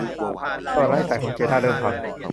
สว่านไร้สายของเจด้าเริ่มพัง